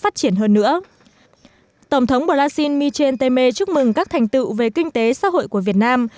tổng thống brazil michel temer chúc mừng các thành tựu về kinh tế xã hội của việt nam